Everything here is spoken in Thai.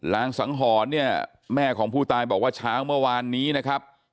งสังหรณ์เนี่ยแม่ของผู้ตายบอกว่าเช้าเมื่อวานนี้นะครับ